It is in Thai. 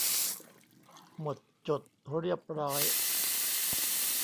หมดจดเรียบร้อย